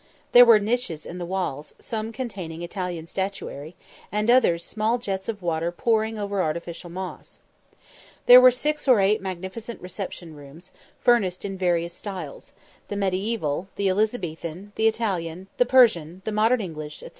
There were niches in the walls, some containing Italian statuary, and others small jets of water pouring over artificial moss, There were six or eight magnificent reception rooms, furnished in various styles the Mediaeval, the Elizabethan, the Italian, the Persian, the modern English, &c.